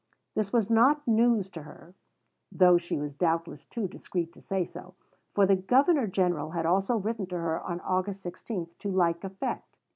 This was not news to her (though she was doubtless too discreet to say so), for the Governor General had also written to her on August 16 to like effect.